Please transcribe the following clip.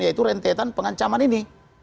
yaitu rentetan pengancaman ini